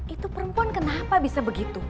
itu perempuan kenapa bisa begitu